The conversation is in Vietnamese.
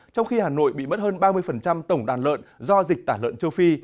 trong khi hà nội bị mất hơn ba mươi tổng đàn lợn do dịch tả lợn châu phi